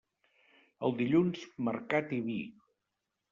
El dilluns, mercat i vi.